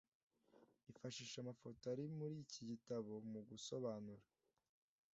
ifashishe amafoto ari muri iki gitabo mu gusobanura